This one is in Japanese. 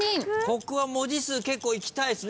ここは文字数結構いきたいっすね。